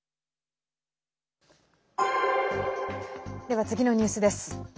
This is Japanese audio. では、次のニュースです。